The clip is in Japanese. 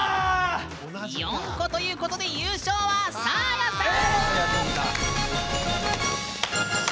４個ということで優勝はサーヤさん！